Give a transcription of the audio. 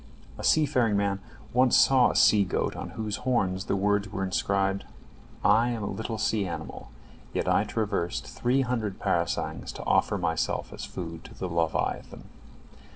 A sea faring man once saw a sea goat on whose horns the words were inscribed: "I am a little sea animal, yet I traversed three hundred parasangs to offer myself as food to the leviathan."